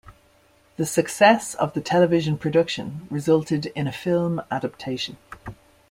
The success of the television production resulted in a film adaptation.